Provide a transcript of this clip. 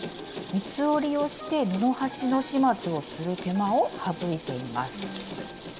三つ折りをして布端の始末をする手間を省いています。